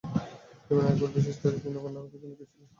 জীবনে একবার বিশেষ কাজে তিনি কোন্নগর পর্যন্ত গিয়াছিলেন।